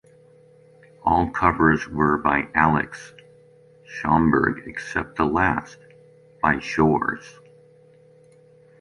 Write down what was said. All covers were by Alex Schomburg except the last, by Shores.